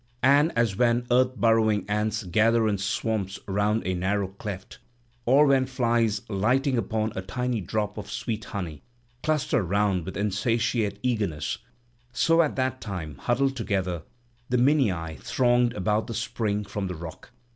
And as when earth burrowing ants gather in swarms round a narrow cleft, or when flies lighting upon a tiny drop of sweet honey cluster round with insatiate eagerness; so at that time, huddled together, the Minyae thronged about the spring from the rock.